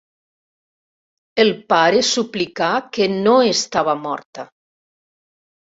El pare suplicà que no estava morta.